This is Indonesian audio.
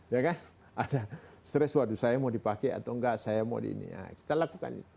ya kan ada stress waduh saya mau dipakai atau enggak saya mau di ini ya kita lakukan